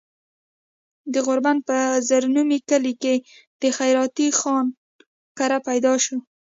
د غوربند پۀ زړه نومي کلي د خېراتي خان کره پيدا شو